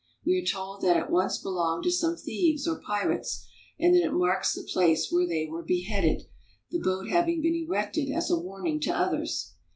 We are told that it once belonged to some thieves or pirates and that it marks the place where they were beheaded, the boat having been erected as a warning to others.